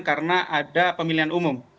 karena ada pemilihan umum